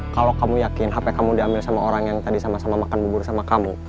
kalau kamu yakin hp kamu diambil sama orang yang tadi sama sama makan bubur sama kamu